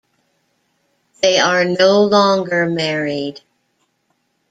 They are no longer married.